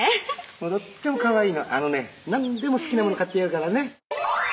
とってもかわいいのあのね何でも好きなもの買ってやるからね。